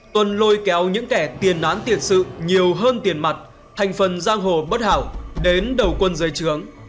tuân lôi kéo những kẻ tiền án tiền sự nhiều hơn tiền mặt thành phần giang hồ bất hảo đến đầu quân giới trướng